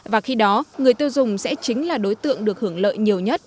và khi đó người tiêu dùng sẽ chính là đối tượng được hưởng lợi nhiều nhất